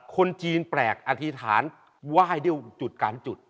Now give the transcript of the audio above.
คนจีนแปลกอธิษฐานไหว้ด้วยจุดการจุด